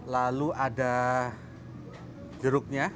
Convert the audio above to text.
lalu ada jeruknya